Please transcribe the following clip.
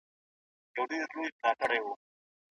د مسلمانانو په هکله د شرعي سیاست دوو مهمو واقعتو ته اشاره کوي.